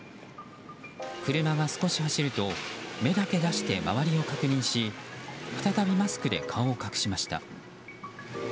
車が少し走ると目だけ出して周りを確認し再び、マスクで顔を隠しました。